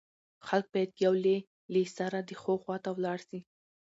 خلک بايد يو له له سره د ښو خوا ته ولاړ سي